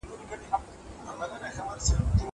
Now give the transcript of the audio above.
کېدای سي مېوې خرابې وي!!